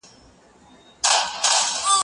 زه به سبا پلان جوړوم وم!؟